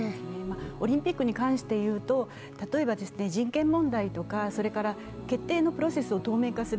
オリンピックに関していうと例えば人権問題とか決定のプロセスを透明化する、